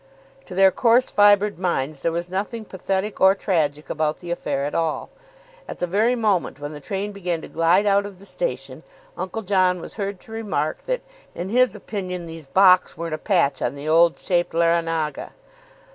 To their coarse fibred minds there was nothing pathetic or tragic about the affair at all. (At the very moment when the train began to glide out of the station Uncle John was heard to remark that, in his opinion, these Bocks weren't a patch on the old shaped Larranaga.)